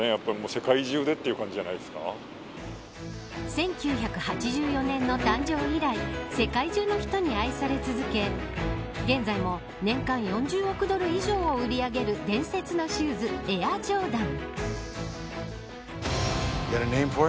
１９８４年の誕生以来世界中の人に愛され続け現在も年間４０億ドル以上を売り上げる伝説のシューズエアジョーダン。